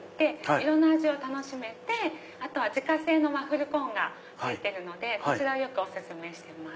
いろんな味を楽しめて自家製のワッフルコーンが付いてるのでお薦めしてます。